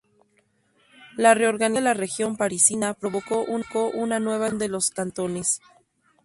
La reorganización de la región parisina provocó una nueva división de los cantones.